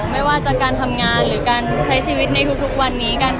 ไม่ว่าจะการทำงานหรือการใช้ชีวิตในทุกวันนี้กัน